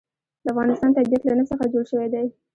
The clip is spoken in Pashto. د افغانستان طبیعت له نفت څخه جوړ شوی دی.